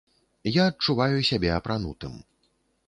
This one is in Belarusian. Я адчуваю сябе апранутым.